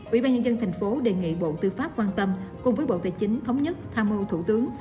ủy ban nhân dân tp hcm đề nghị bộ tư pháp quan tâm cùng với bộ tài chính thống nhất tham mưu thủ tướng